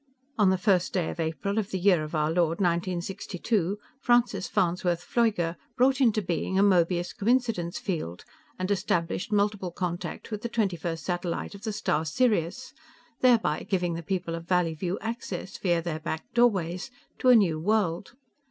On the first day of April of the year of our Lord, 1962, Francis Farnsworth Pfleuger brought into being a Möbius coincidence field and established multiple contact with the twenty first satellite of the star Sirius, thereby giving the people of Valleyview access, via their back doorways, to a New World.